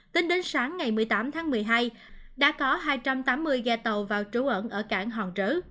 tính đến sáng ngày một mươi tám tháng một mươi hai đã có hai trăm tám mươi ghe tàu vào trú ẩn ở cảng hòn trở